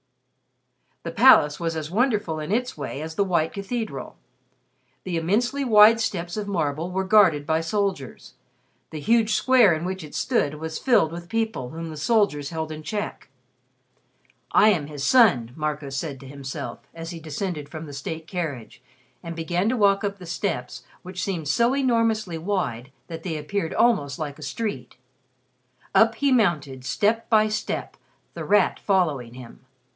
The Palace was as wonderful in its way as the white cathedral. The immensely wide steps of marble were guarded by soldiers. The huge square in which it stood was filled with people whom the soldiers held in check. "I am his son," Marco said to himself, as he descended from the state carriage and began to walk up the steps which seemed so enormously wide that they appeared almost like a street. Up he mounted, step by step, The Rat following him.